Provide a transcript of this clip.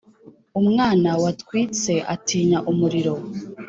umwana watwitse atinya umuriro.